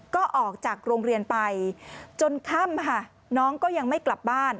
ก็ออกจากโรงเรียนไปจนค่ำค่ะน้องก็ยังไม่กลับบ้าน